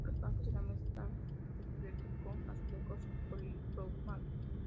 Los bancos y la mesa están recubiertos con azulejos policromados.